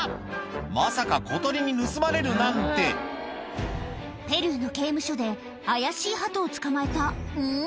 まさか小鳥に盗まれるなんてペルーの刑務所で怪しいハトを捕まえたうん？